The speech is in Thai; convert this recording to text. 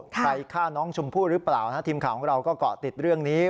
ใครฆ่าน้องชมพู่หรือเปล่าทีมข่าวของเราก็เกาะติดเรื่องนี้